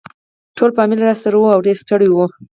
ټول فامیل راسره وو او ډېر ستړي وو.